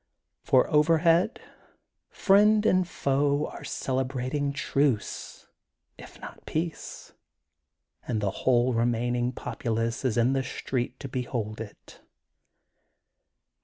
For over head friend and foe are celebrating truce, if not peace, and the whole remaining populace is in the street to behold it.